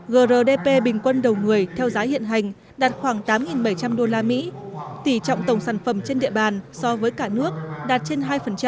grdp bình quân đầu người theo giá hiện hành đạt khoảng tám bảy trăm linh usd tỷ trọng tổng sản phẩm trên địa bàn so với cả nước đạt trên hai